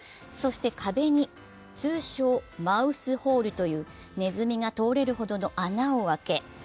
そして壁に、通称マウス・ホールというねずみが通れるほどの穴を開け